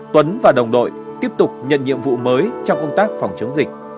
tuấn và đồng đội tiếp tục nhận nhiệm vụ mới trong công tác phòng chống dịch